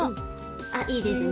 あいいですね